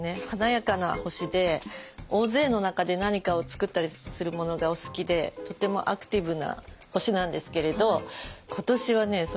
華やかな星で大勢の中で何かを作ったりするものがお好きでとてもアクティブな星なんですけれど今年はね